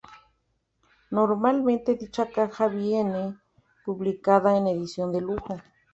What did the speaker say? Normalmente dicha caja viene publicada en edición de lujo.